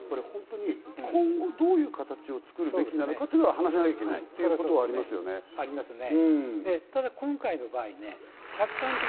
今後どういう形を作るべきなのかというのは話さなきゃいけないということはありますよね。